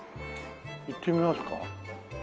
行ってみますか。